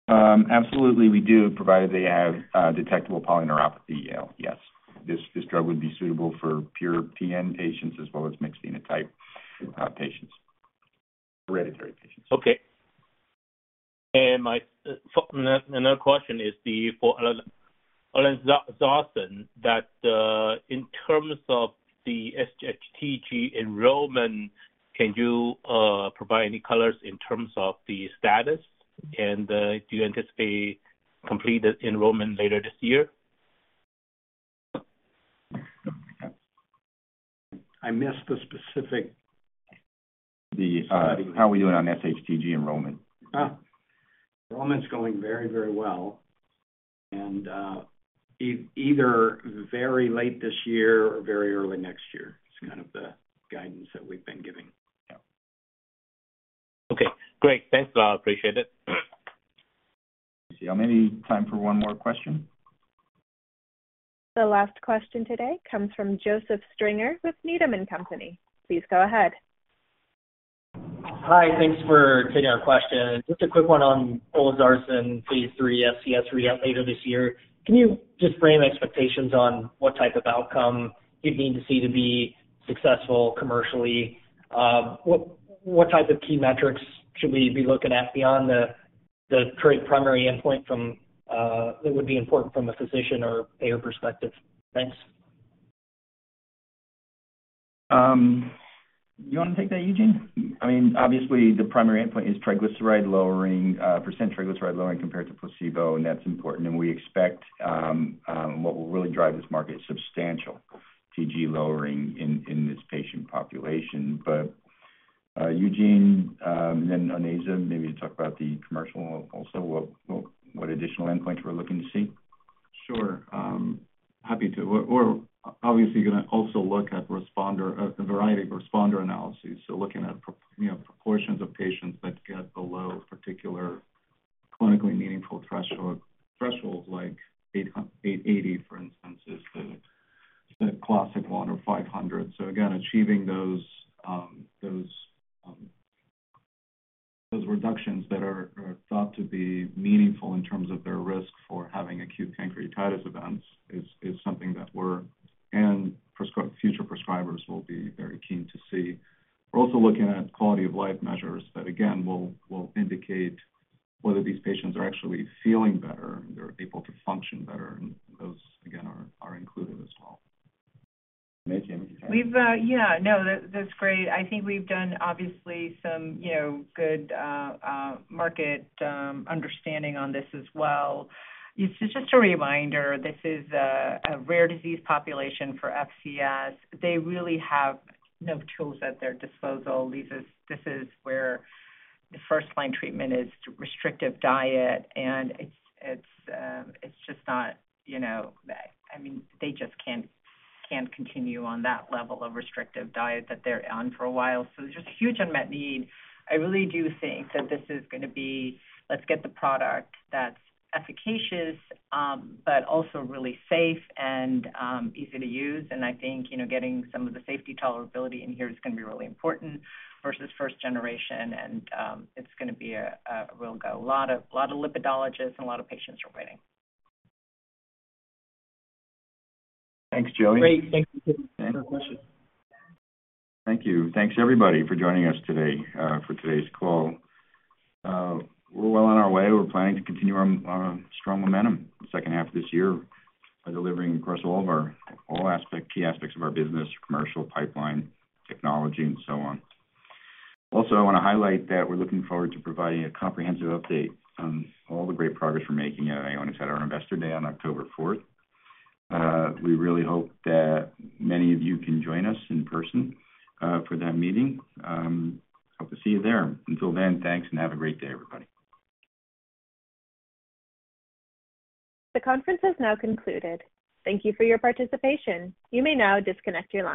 Absolutely, we do, provided they have, detectable polyneuropathy, Yale. Yes, this, this drug would be suitable for pure PN patients as well as mixed phenotype, patients, hereditary patients. Okay. My, another question is the, for olezarsen, that, in terms of the SHTG enrollment, can you provide any colors in terms of the status? Do you anticipate completed enrollment later this year? I missed the specific- How are we doing on SHTG enrollment? Enrollment's going very, very well, and either very late this year or very early next year. It's kind of the guidance that we've been giving. Yeah. Okay, great. Thanks a lot. I appreciate it. Let's see, I only have time for one more question. The last question today comes from Joseph Stringer with Needham & Company. Please go ahead. Hi, thanks for taking our question. Just a quick one on olezarsen phase III FCS3 later this year. Can you just frame expectations on what type of outcome you'd need to see to be successful commercially? What, what type of key metrics should we be looking at beyond the, the current primary endpoint from, that would be important from a physician or payer perspective? Thanks. You want to take that, Eugene? I mean, obviously the primary endpoint is triglyceride lowering, % triglyceride lowering compared to placebo, and that's important. We expect, what will really drive this market, substantial TG lowering in, in this patient population. Eugene, and then Onaiza, maybe talk about the commercial also, what, what, what additional endpoints we're looking to see. Sure, happy to. We're, we're obviously going to also look at responder, at a variety of responder analyses. So looking at, you know, proportions of patients that get below particular clinically meaningful threshold, thresholds like 880, for instance, is the, the classic one, or 500. So again, achieving those, those, those reductions that are, are thought to be meaningful in terms of their risk for having acute pancreatitis events is, is something that we're, and future prescribers will be very keen to see. We're also looking at quality of life measures that, again, will, will indicate whether these patients are actually feeling better and they're able to function better, and those, again, are, are included as well. Amy, anything to add? We've, yeah, no, that, that's great. I think we've done obviously some, you know, good market understanding on this as well. It's just a reminder, this is a rare disease population for FCS. They really have no tools at their disposal. This is, this is where the first-line treatment is restrictive diet, it's, it's just not, you know, I mean, they just can't, can't continue on that level of restrictive diet that they're on for a while. There's just a huge unmet need. I really do think that this is going to be, let's get the product that's efficacious, but also really safe and easy to use. I think, you know, getting some of the safety tolerability in here is going to be really important versus first generation. It's going to be a real go. A lot of, lot of lipidologists and a lot of patients are waiting. Thanks, Jillian. Great. Thank you for the question. Thank you. Thanks, everybody, for joining us today, for today's call. We're well on our way. We're planning to continue our strong momentum the second half of this year by delivering across all of our, all aspect, key aspects of our business, commercial pipeline, technology, and so on. Also, I want to highlight that we're looking forward to providing a comprehensive update on all the great progress we're making at Ionis at our Investor Day on October fourth. We really hope that many of you can join us in person, for that meeting. Hope to see you there. Until then, thanks and have a great day, everybody. The conference has now concluded. Thank you for your participation. You may now disconnect your line.